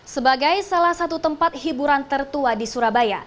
sebagai salah satu tempat hiburan tertua di surabaya